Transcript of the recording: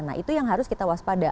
nah itu yang harus kita waspada